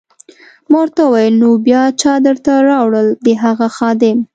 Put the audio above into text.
ما ورته وویل: نو بیا چا درته راوړل؟ د هغه خادم.